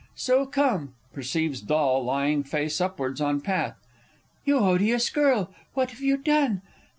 So come (Perceives doll lying face upwards on path.) You odious girl, what have you done?